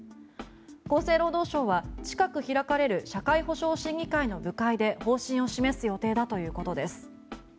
厚生労働省は近く開かれる社会保障審議会の部会で方針を示す予定だということです。